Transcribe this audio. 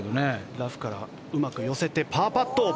ラフからうまく寄せてパーパット。